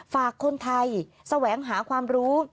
ฝากคนไทยแสวงหาความรู้